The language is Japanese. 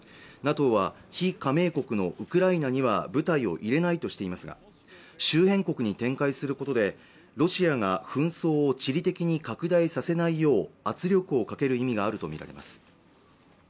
ＮＡＴＯは非加盟国のウクライナには部隊を入れないとしていますが周辺国に展開することでロシアが紛争を地理的に拡大させないよう圧力をかける意味があると見られます